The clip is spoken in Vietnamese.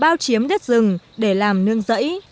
tăng cường chiếm đất rừng để làm nương rẫy